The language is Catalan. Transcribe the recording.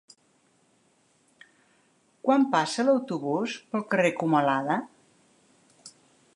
Quan passa l'autobús pel carrer Comalada?